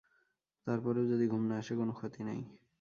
তার পরেও যদি ঘুম না আসে কোনো ক্ষতি নেই।